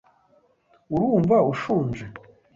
Urumva ushonje?